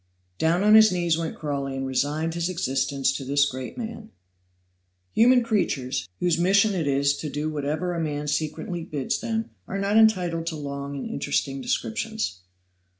Down on his knees went Crawley and resigned his existence to this great man. Human creatures, whose mission it is to do whatever a man secretly bids them, are not entitled to long and interesting descriptions.